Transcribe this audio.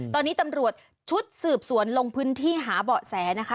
ตอนนี้ตำรวจชุดสืบสวนลงพื้นที่หาเบาะแสนะคะ